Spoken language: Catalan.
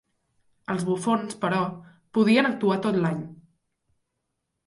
Els bufons, però, podien actuar tot l'any.